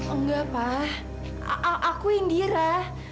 enggak pak aku indira